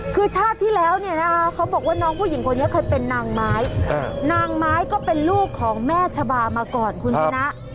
คือชาติที่แล้วเนี่ยนะคะเขาบอกว่าน้องผู้หญิงคนนี้เคยเป็นนางไม้นางไม้ก็เป็นลูกของแม่ชะบามาก่อนคุณชนะ